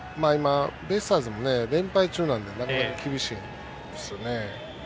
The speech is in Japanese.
ベイスターズもね、連敗中なので厳しいですよね。